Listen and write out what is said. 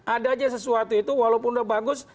ada aja sesuatu itu walaupun udah bagus